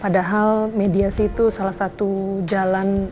padahal mediasi itu salah satu jalan